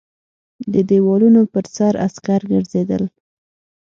د دېوالونو پر سر عسکر ګرځېدل.